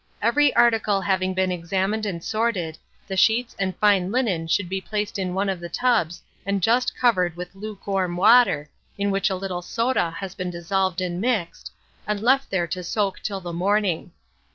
Every article having been examined and assorted, the sheets and fine linen should be placed in one of the tubs and just covered with lukewarm water, in which a little soda has been dissolved and mixed, and left there to soak till the morning.